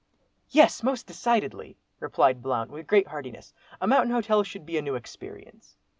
"Yes! most decidedly," replied Blount, with great heartiness. "A mountain hotel should be a new experience."